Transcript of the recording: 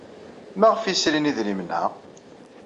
Maɣef ay srin idrimen-a?